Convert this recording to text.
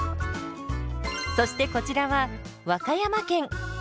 そしてこちらは和歌山県。